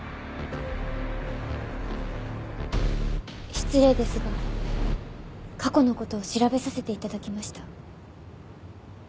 失礼ですが過去の事を調べさせて頂きました。